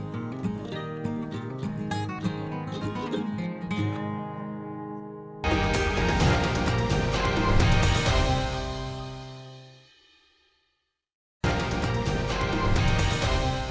karena tingkat kematangannya itu harus maksimal